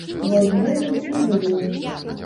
Вось гэтым і жыву.